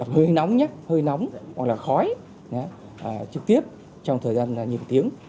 hơi nóng nhé hơi nóng hoặc là khói trực tiếp trong thời gian là nhiều tiếng